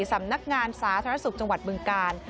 สำนักงานสาธารณสุขจังหวัดบึงกาล